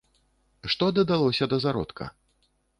Што дадалося да зародка?